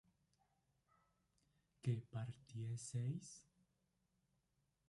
¿que partieseis?